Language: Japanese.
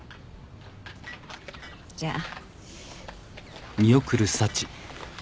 じゃあ。